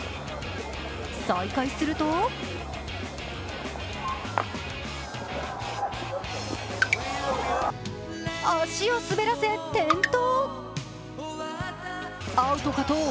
再開すると足を滑らせ転倒。